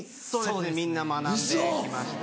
みんな学んで来ました。